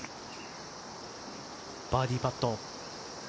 バーディーパット。